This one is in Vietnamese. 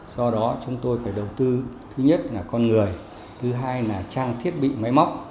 do đó chúng tôi phải đầu tư thứ nhất là con người thứ hai là trang thiết bị máy móc